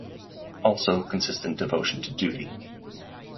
Also consistent devotion to duty"".